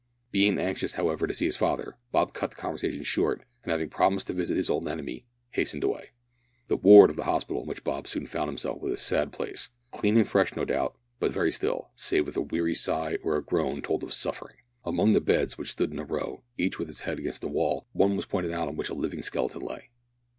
Being anxious, however, to see his father, Bob cut the conversation short, and, having promised to visit his old enemy, hastened away. The ward of the hospital in which Bob soon found himself was a sad place. Clean and fresh, no doubt, but very still, save when a weary sigh or a groan told of suffering. Among the beds, which stood in a row, each with its head against the wall, one was pointed out on which a living skeleton lay.